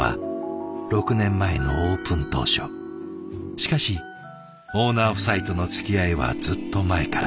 しかしオーナー夫妻とのつきあいはずっと前から。